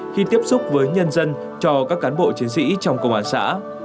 khi tiếp xúc với nhân dân cho các cán bộ chiến sĩ trong công an xã